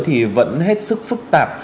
thì vẫn hết sức phức tạp